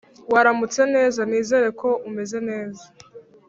Waramutse neza? Nizere ko umeze neza?